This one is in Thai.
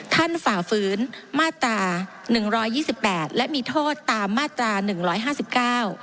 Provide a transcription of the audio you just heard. ฝ่าฝืนมาตราหนึ่งร้อยยี่สิบแปดและมีโทษตามมาตราหนึ่งร้อยห้าสิบเก้า